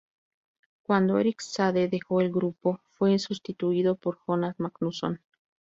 Cuando Eric Saade dejó el grupo, fue sustituido por Johannes Magnusson.